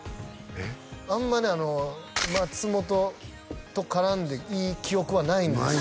あんまね松本と絡んでいい記憶はないんですよ